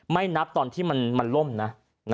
นับตอนที่มันล่มนะ